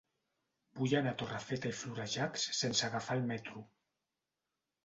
Vull anar a Torrefeta i Florejacs sense agafar el metro.